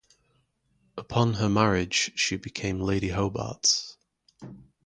Upon her marriage she became Lady Hobart.